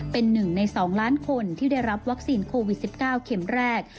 เป็น๑ใน๒ล้านคนที่ได้รับวัคซีนโควิด๑๙เข็มแรก